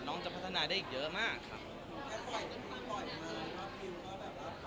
น้องจะพัฒนาได้อีกเยอะมาก